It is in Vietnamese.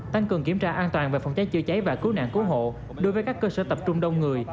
tăng cường kiểm tra an toàn về phòng cháy chữa cháy và cứu nạn cứu hộ đối với các cơ sở tập trung đông người